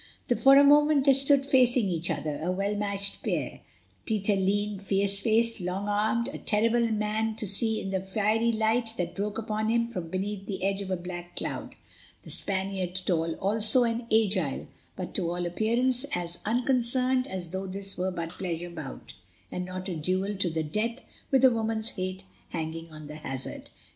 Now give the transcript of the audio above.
For a moment they stood facing each other, a well matched pair—Peter, lean, fierce faced, long armed, a terrible man to see in the fiery light that broke upon him from beneath the edge of a black cloud; the Spaniard tall also, and agile, but to all appearance as unconcerned as though this were but a pleasure bout, and not a duel to the death with a woman's fate hanging on the hazard.